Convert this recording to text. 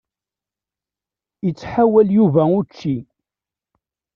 Ittḥawal Yuba učči.